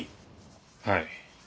はい。